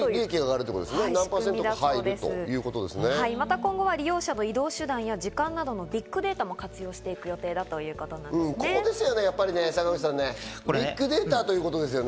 今後は利用者の移動手段や時間などのビッグデータも活用していくビッグデータですね。